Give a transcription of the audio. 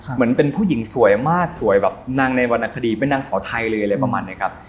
เหมือนเป็นผู้หญิงสวยมากสวยแบบนางในวรรณคดีเป็นนางสาวไทยเลยอะไรประมาณนี้ครับ